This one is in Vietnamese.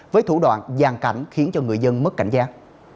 với thủ đoạn gian cảnh khiến cho người dân mất cảnh giác